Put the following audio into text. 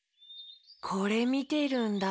これみてるんだ。